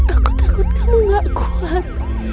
aku takut kamu gak kuat